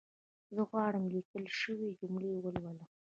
زه غواړم ليکل شوې جملي ولولم